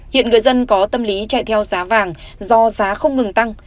hiện người dân có tâm lý chạy theo giá vàng do giá không ngừng tăng